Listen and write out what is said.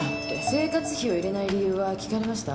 生活費を入れない理由は聞かれました？